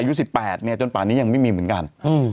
อายุ๑๘เนี่ยจนป่านี้ยังไม่มีเหมือนกัน